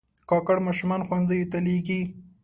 کاکړ ماشومان ښوونځیو ته لېږي.